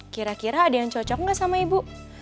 kira kira ada yang cocok nggak sama ibu